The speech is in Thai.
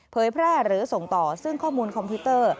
แพร่หรือส่งต่อซึ่งข้อมูลคอมพิวเตอร์